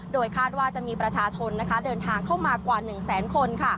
โดยคาดว่าจะมีประชาชนเดินทางเข้ามากว่า๑แสนคน